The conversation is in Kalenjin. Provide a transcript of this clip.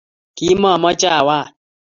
Kimamache awach